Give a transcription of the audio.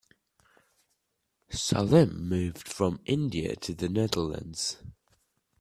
Salim moved from India to the Netherlands.